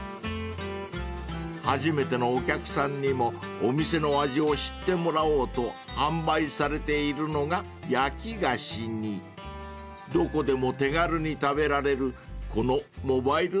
［初めてのお客さんにもお店の味を知ってもらおうと販売されているのが焼き菓子にどこでも手軽に食べられるこの］